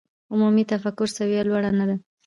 عمومي تفکر سویه لوړه نه ده.